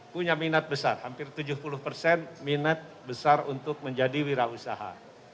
punya minat besar hampir tujuh puluh persen minat besar untuk menjadi wira usaha